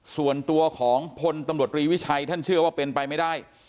ส่วนตัวของพลตำรวจรีวิชัยท่านเชื่อว่าเป็นไปไม่ได้